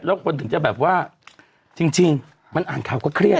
แล้วคนถึงจะแบบว่าจริงมันอ่านข่าวก็เครียด